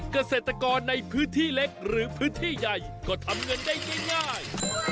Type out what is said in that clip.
เกษตรกรในพื้นที่เล็กหรือพื้นที่ใหญ่ก็ทำเงินได้ง่าย